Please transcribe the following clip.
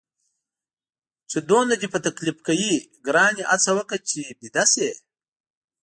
چې دومره دې په تکلیف کوي، ګرانې هڅه وکړه چې ویده شې.